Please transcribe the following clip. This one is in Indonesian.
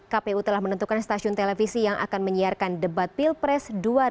kpu telah menentukan stasiun televisi yang akan menyiarkan debat pilpres dua ribu sembilan belas